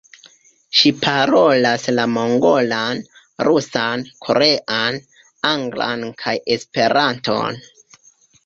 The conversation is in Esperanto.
Ŝi parolas la mongolan, rusan, korean, anglan kaj Esperanton.